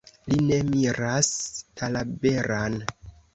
Li ne miras Talaberan.